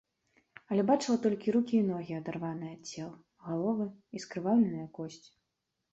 Але бачыла толькі рукі і ногі, адарваныя ад цел, галовы і скрываўленыя косці.